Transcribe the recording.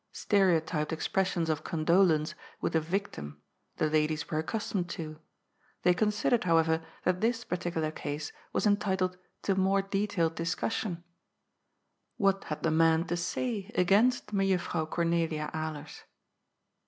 Stereotyped expressions of condolence with a ^^ victim ^ the ladies were accustomed to ; they considered, however, that this particular case was entitled to more detailed discussion. « What had the men to say against Mejuffrouw Cornelia Alers?